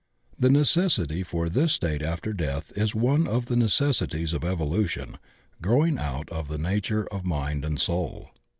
The necessity for this state after deadi is one of the necessities of evolution growing out of the na ture of mind and soul.